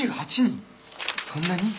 そんなに？